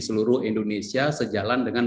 seluruh indonesia sejalan dengan